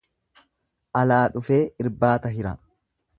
Alaa dhufee irbaata hira.